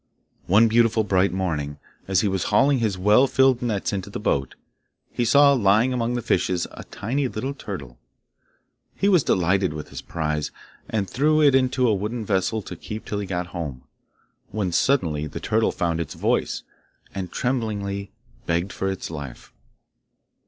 One beautiful bright morning, as he was hauling his well filled nets into the boat, he saw lying among the fishes a tiny little turtle. He was delighted with his prize, and threw it into a wooden vessel to keep till he got home, when suddenly the turtle found its voice, and tremblingly begged for its life.